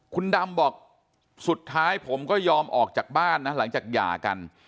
คุณดำบอกสุดท้ายผมก็ยอมออกจากบ้านนะหลังจากหย่ากัน